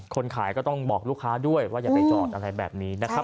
คนขายก็ต้องบอกลูกค้าด้วยว่าอย่าไปจอดอะไรแบบนี้นะครับ